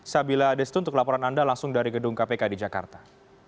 sabila destu untuk laporan anda langsung dari gedung kpk di jakarta